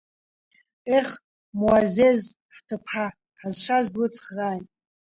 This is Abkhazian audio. Ех, Муаззез ҳҭыԥҳа ҳазшаз длыцхрааит.